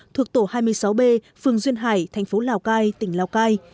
thuộc tổ hai mươi sáu b phường duyên hải thành phố lào cai tỉnh lào cai